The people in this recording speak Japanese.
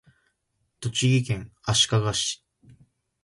栃木県足利市